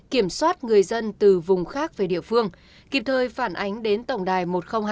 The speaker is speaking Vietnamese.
kiểm soát người dân từ vùng khác về địa phương kịp thời phản ánh đến tổng đài một nghìn hai mươi hai